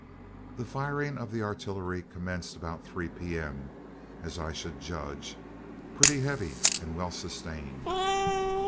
The firing of artillery commenced at about 3 P.M., as I should judge, pretty heavy and well sustained.